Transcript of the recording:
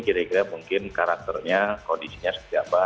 sehingga mungkin karakternya kondisinya seperti apa